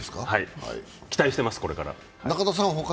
期待してます、これから。